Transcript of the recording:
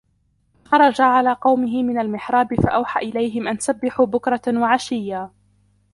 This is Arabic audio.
فَخَرَجَ عَلَى قَوْمِهِ مِنَ الْمِحْرَابِ فَأَوْحَى إِلَيْهِمْ أَنْ سَبِّحُوا بُكْرَةً وَعَشِيًّا